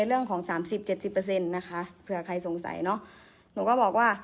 เรื่องของสามสิบเจ็ดสิบเปอร์เซ็นต์นะคะเผื่อใครสงสัยเนอะหนูก็บอกว่า